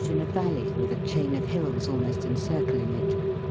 in a valley, with a chain of hills almost en circling it.